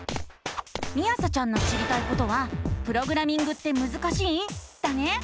みあさちゃんの知りたいことは「プログラミングってむずかしい⁉」だね！